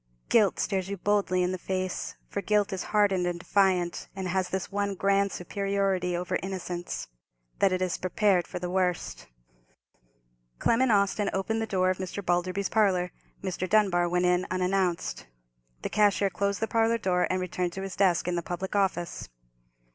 Guilt stares you boldly in the face, for guilt is hardened and defiant, and has this one grand superiority over innocence—that it is prepared for the worst. Clement Austin opened the door of Mr. Balderby's parlour; Mr. Dunbar went in unannounced. The cashier closed the parlour door and returned to his desk in the public office.